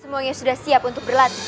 semuanya sudah siap untuk berlatih